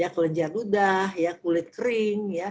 kelenjar ludah kulit kering